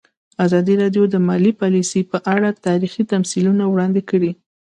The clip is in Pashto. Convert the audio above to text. ازادي راډیو د مالي پالیسي په اړه تاریخي تمثیلونه وړاندې کړي.